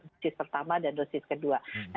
dosis pertama dan dosis kedua